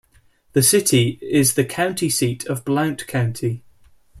The city is the county seat of Blount County.